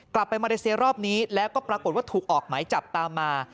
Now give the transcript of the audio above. กลับมามาเลเซียรอบนี้แล้วก็ปรากฏว่าถูกออกหมายจับตามมา